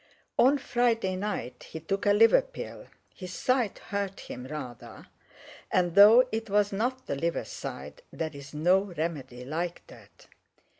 On Friday night he took a liver pill, his side hurt him rather, and though it was not the liver side, there is no remedy like that.